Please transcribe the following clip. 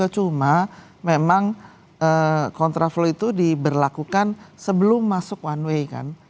cuma memang kontraflow itu diberlakukan sebelum masuk one way kan